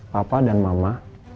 papa dan mama